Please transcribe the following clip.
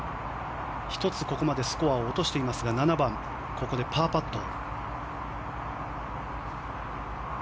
１つここまでスコアを落としていますが７番、パーパット。